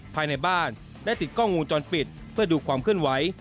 ภายในบ้านได้ติดกล้องวงจรปิดเพื่อดูความเคลื่อนไหว